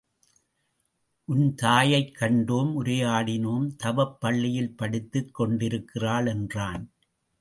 உன் தாயைக் கண்டோம் உரையாடினோம் தவப் பள்ளியில் படித்துக் கொண்டிருக்கிறாள் என்றான்.